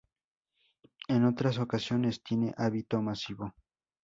En otras ocasiones tiene hábito masivo.